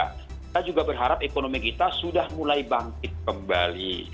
kita juga berharap ekonomi kita sudah mulai bangkit kembali